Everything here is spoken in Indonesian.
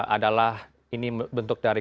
adalah ini bentuk dari